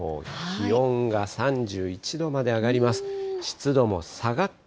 気温が３１度まで上がります。